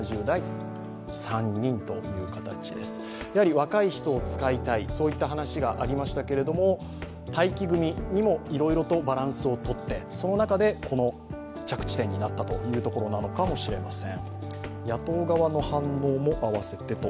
若い人を使いたいという話がありましたけれども待機組にもいろいろとバランスをとってその中で、この着地点になったというところかもしれません。